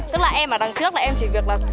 tức là em ở đằng trước là em chỉ việc là